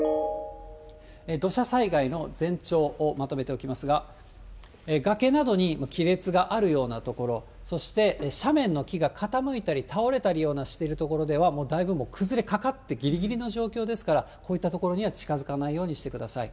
土砂災害の前兆をまとめておきますが、崖などに亀裂があるような所、そして、斜面の木が傾いたり倒れたりしてる所では、もうだいぶ崩れかかって、ぎりぎりの状況ですから、こういった所には近づかないようにしてください。